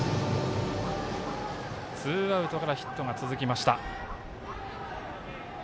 ツーアウトからヒットが続きました。